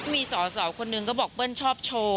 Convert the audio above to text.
มีสสคนนึงบอกว่าเปิ้ลชอบโชว์